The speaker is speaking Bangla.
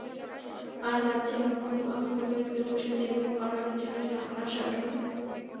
রাজ্যের অন্য কোন ব্যক্তি ভবিষ্যতে এরূপ করার যেন আর সাহস না পায়।